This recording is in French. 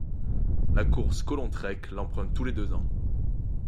La course Collontrek, l'emprunte tous les deux ans.